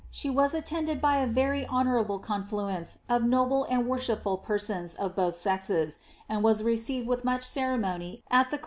She was attended by a very honourable confluence of noble and wor shipful persons of both sexes, and was received with much ceremony at the court gate.'